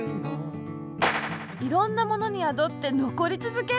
いろんなモノにやどってのこりつづける！